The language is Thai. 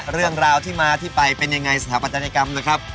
เรื่องราวที่มาที่ไปเป็นยังไงสถาปัตยกรรมนะครับ